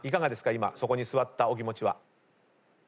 今そこに座ったお気持ちは。